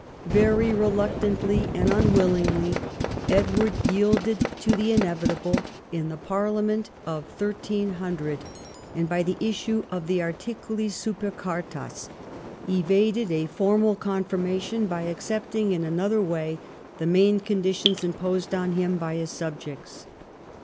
Very reluctantly and un willingly, Edward yielded to the inevitable in the parliament of 1300, and by the issue of the Artkuli super Cartas evaded a formal confirmation by accepting in another way the main conditions imposed on him by his subjects.